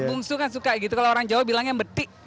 anak mumsu kan suka gitu kalau orang jawa bilangnya beti